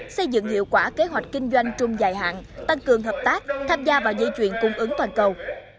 xây dựng hiệu quả kế hoạch kinh doanh trung dài hạn tăng cường hợp tác tham gia vào dây chuyển cung ứng toàn cầu